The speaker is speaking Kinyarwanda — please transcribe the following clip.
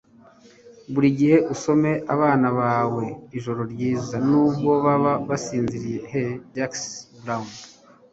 buri gihe usome abana bawe ijoro ryiza - nubwo baba basinziriye. - h. jackson brown